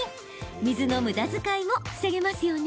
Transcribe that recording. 水のむだづかいも防げますよね。